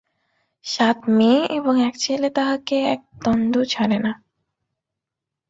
সাত মেয়ে এবং এক ছেলে তাঁহাকে এক দণ্ড ছাড়ে না।